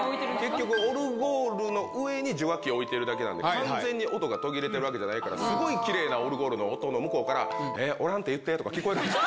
結局、オルゴールの上に受話器を置いてるだけなので、完全に音が途切れているわけじゃないから、すごいきれいなオルゴールの音の向こうから、えー、おらんと言ってって聞こえてるわけ。